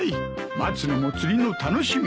待つのも釣りの楽しみ。